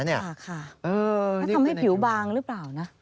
เออนี่คือในการมันทำให้ผิวบางหรือเปล่านะ